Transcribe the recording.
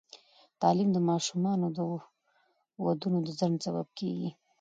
تعلیم د ماشومانو د ودونو د ځنډ سبب کېږي.